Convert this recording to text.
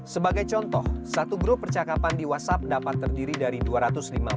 sebagai contoh satu grup percakapan di whatsapp dapat terdiri dari dua ratus lima puluh